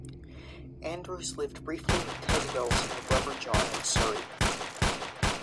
Andrews lived briefly with Ted Wells and her brother John in Surrey.